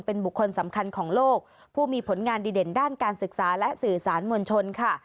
เป็นบุคคลสำคัญของโลกผู้มีผลงานดีเด่นด้านการศึกษาและสื่อสารมวลชนค่ะ